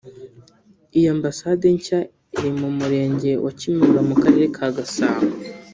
Iyi Ambasade nshya iri mu Murenge wa Kimihurura mu Karere ka Gasabo